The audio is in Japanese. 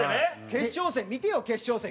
決勝戦見てよ決勝戦。